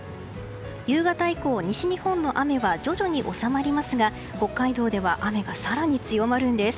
夕方以降、西日本の雨は徐々に収まりますが北海道では雨が更に強まるんです。